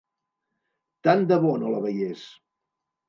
Tant de bo no la veiés!